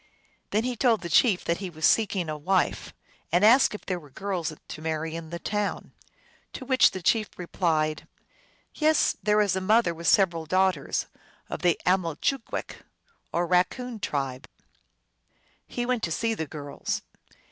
Then he told the chief that he was seeking a wife, and asked if there were girls to marry in the town. To which the chief replied, " Yes, there is a mother with several daughters, of the AmalchoogwecK or Raccoon tribe." He went to see the girls.